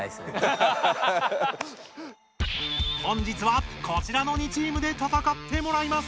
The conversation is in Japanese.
本日はこちらの２チームで戦ってもらいます。